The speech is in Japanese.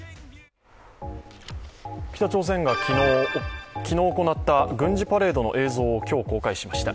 北朝鮮が昨日行った軍事パレードの映像を今日、公開しました。